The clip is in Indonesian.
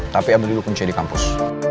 tapi ambil dulu kunci di kampus